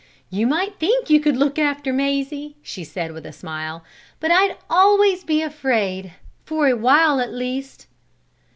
"You might think you could look after Mazie," she said with a smile, "but I'd always be afraid for a while, at least."